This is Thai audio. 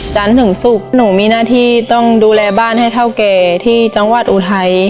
จันทร์ถึงศุกร์หนูมีหน้าที่ต้องดูแลบ้านให้เท่าแก่ที่จังหวัดอุทัย